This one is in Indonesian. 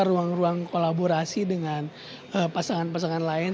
ruang ruang kolaborasi dengan pasangan pasangan lain